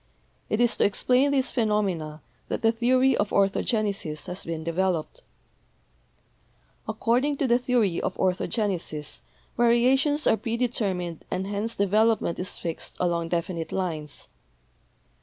It is to explain these phenomena that the theory of 'Orthogenesis' has been developed. According to the theory of orthogenesis variations are predetermined and hence development is fixed along defi nite lines.